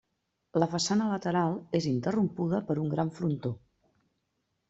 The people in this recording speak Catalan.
La façana lateral és interrompuda per un gran frontó.